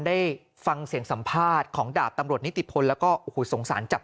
ได้ฟังเสียงสัมภาษณ์ของดาบตำรวจนิติพลแล้วก็โอ้โหสงสารจับ